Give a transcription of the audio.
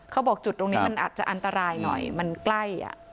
เขาบอกจุดตรงนี้มันอาจจะอันตรายหน่อยมันใกล้